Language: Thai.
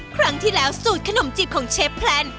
ครั้งที่แล้วสูตรขนมจีบของเชฟแพลน